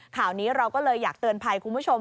ข่าวนี้เราก็เลยอยากเตือนภัยคุณผู้ชม